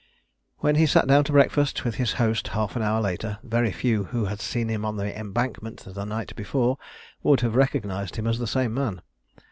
When he sat down to breakfast with his host half an hour later, very few who had seen him on the Embankment the night before would have recognised him as the same man.